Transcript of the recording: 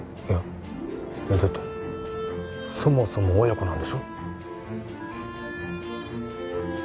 いやいやだってそもそも親子なんでしょ？